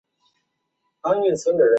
能够入流的要素。